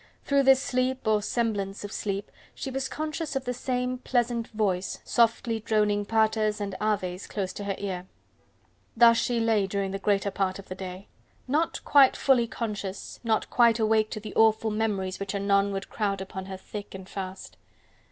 Through this sleep or semblance of sleep, she was conscious of the same pleasant voice softly droning Paters and Aves close to her ear. Thus she lay, during the greater part of the day. Not quite fully conscious, not quite awake to the awful memories which anon would crowd upon her thick and fast.